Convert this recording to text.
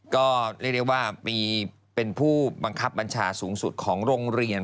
ก็เรียกได้ว่าเป็นผู้บังคับบัญชาสูงสุดของโรงเรียน